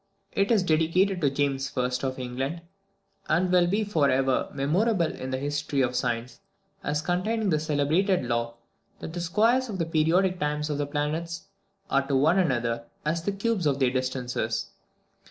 It is dedicated to James I. of England, and will be for ever memorable in the history of science, as containing the celebrated law that the squares of the periodic times of the planets are to one another as the cubes of their distances.